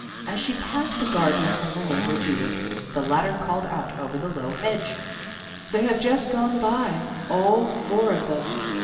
As she passed the garden of her neighbor Judith, the latter called out over the low hedge, "They have just gone by, all four of them.